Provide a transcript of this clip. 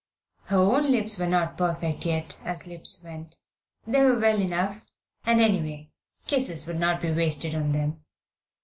Her own lips were not perfect, yet, as lips went, they were well enough, and, anyway, kisses would not be wasted on them.